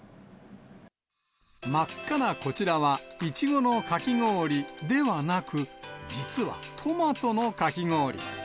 真っ赤なこちらは、いちごのかき氷ではなく、実はトマトのかき氷。